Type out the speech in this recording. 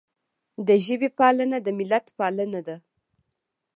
د ژبې پالنه د ملت پالنه ده.